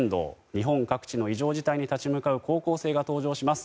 日本各地の異常気象に立ち向かう高校生が登場します。